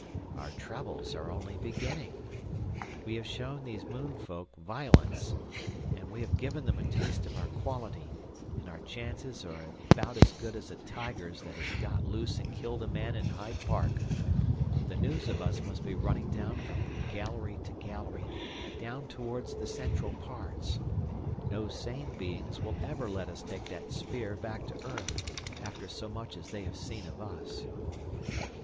Our troubles are only beginning. We have shown these moon folk violence, we have given them a taste of our quality, and our chances are about as good as a tiger's that has got loose and killed a man in Hyde Park. The news of us must be running down from gallery to gallery, down towards the central parts.... No sane beings will ever let us take that sphere back to earth after so much as they have seen of us."